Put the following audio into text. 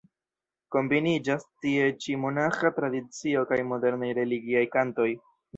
Kombiniĝas tie ĉi monaĥa tradicio kaj modernaj religiaj kantoj.